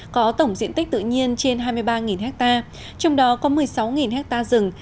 có tổng diện tích tự nhiên trên hai mươi ba ha trong đó có một mươi sáu ha rừng